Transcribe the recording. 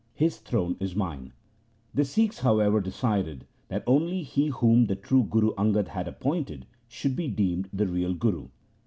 His throne is mine.' The Sikhs, however, decided that only he whom the true Guru Angad had appointed, should be deemed the real Guru.